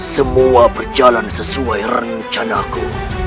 semua perjalanan sesuai rencanaku